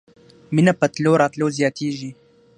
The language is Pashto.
مېنه په تلو راتلو زياتېږي.